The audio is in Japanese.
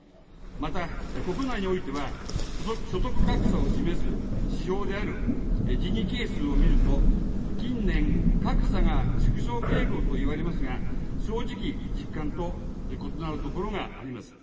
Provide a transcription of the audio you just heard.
また国内においては、所得格差を示す指標であるジニ係数を見ると、近年、格差が縮小傾向といわれますが、正直、実感と異なるところがあります。